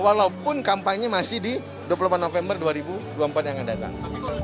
walaupun kampanye masih di dua puluh delapan november dua ribu dua puluh empat yang akan datang